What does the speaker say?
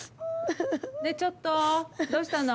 ねぇちょっとどうしたの？